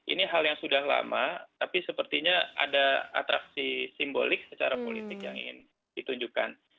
ini hal yang sudah lama tapi sepertinya ada atraksi simbolik secara politik yang ingin ditunjukkan